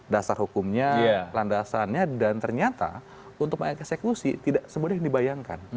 dasar hukumnya landasannya dan ternyata untuk mengeksekusi tidak semudah yang dibayangkan